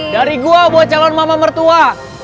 dari gua buat calon mama mertua